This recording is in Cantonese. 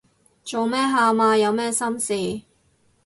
做咩喊啊？有咩心事